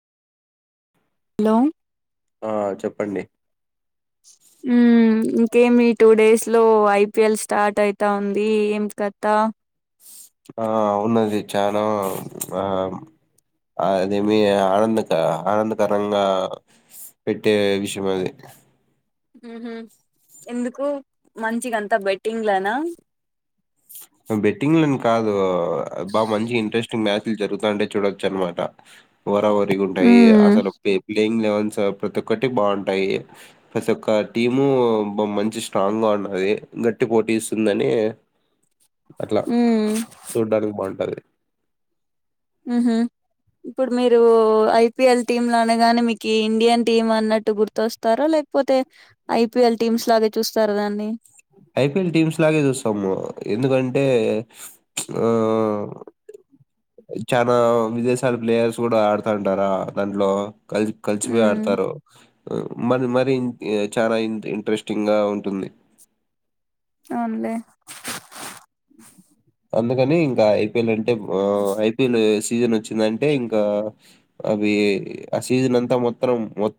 Hello ఆ చెప్పండి ఇంక ఏమి ఈ టూ డేస్ లో ఐ పి ఎల్ స్టార్ట్ అయితాంది ఏం కతా ఆ ఉన్నది చానా ఆమ్ అ అదేమి ఆనందక ఆనందకరంగా పెట్టే విషయం అది మ్మ్ హ్మ్ ఎందుకు మంచిగంతా బెట్టింగ్ లానా బెట్టింగ్ లని కాదు బా మంచిగా ఇంట్రెస్టింగ్ మ్యాచ్ జరుగుతాండే చూడొచ్చు అనమాట హోరాహోరి గా ఉంటాయి మ్మ్ అసలు పీపి ప్యింగ్ లెవెన్స్ ప్రతి ఒక్కటి బాగుంటాయి ప్రతి ఒక్క టీము బా మంచి స్ట్రాంగ్ గా ఉన్నది గట్టి పోటీ ఇస్తుందని అట్ల మ్మ్ చూడ్డానికి బాగుంటది మ్మ్ హ్మ్ ఇప్పుడు మీరు ఐ పీ ఎల్ టీమ్ లనగానే మీకు ఇండియన్ టీమ్ అన్నట్టు గుర్తొస్తార లేకపోతే ఐ పీ ఎల్ టీమ్స్ లాగ చూస్తార దాన్ని ఐపీఎల్ టీమ్స్ లాగే చూస్తాము. ఎందుకంటే ఆ చానా విదేశాల ప్లేయర్స్ కూడా ఆడుతాంటారా దాంట్లో కలిసి కలిసిపోయి మ్మ్ ఆడతారు మ మరి చాలా ఇంట్రెస్టింగ్ గా ఉంటుంది అనలే అందుకని ఇంకా ఐపిఎల్ అంటే ఐపిఎల్ సీజన్ వచ్చిందంటే ఇంకా అవి ఆ సీజన్ అంతా మొత్తం మొ